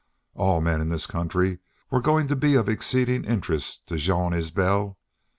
All men in this country were going to be of exceeding interest to Jean Isbel.